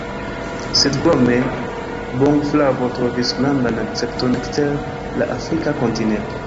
Sed krome bongoflavo trovis grandan akcepton ekster la afrika kontinento.